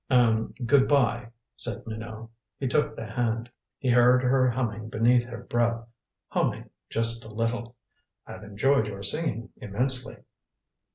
"Er good by," said Minot. He took the hand. He heard her humming beneath her breath humming Just a Little. "I've enjoyed your singing immensely."